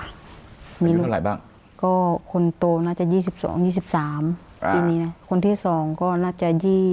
มีลูกเท่าไหร่บ้างก็คนโตน่าจะ๒๒๒๓ปีนี้นะคนที่๒ก็น่าจะ๒๐